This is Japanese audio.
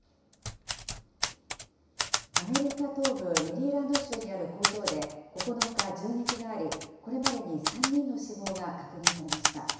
アメリカ東部メリーランド州にある工場で、９日、銃撃があり、これまでに３人の死亡が確認されました。